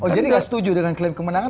jadi gak setuju dengan klaim kemenangan